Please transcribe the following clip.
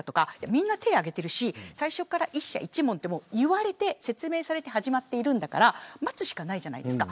みんな手を挙げているし最初から１社１問と言われて説明されて始まってるんだから待つしかないじゃないですか